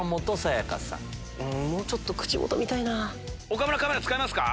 岡村カメラ使いますか？